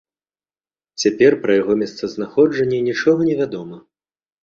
Цяпер пра яго месцазнаходжанне нічога не вядома.